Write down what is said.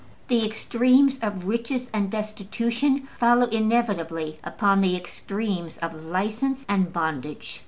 The extremes of riches and destitution follow inevitably upon the extremes of license and bondage.